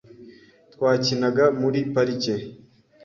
Twakinaga muri parike .